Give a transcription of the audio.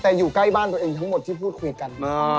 แต่อยู่ใกล้บ้านตัวเองทั้งหมดที่พูดคุยกัน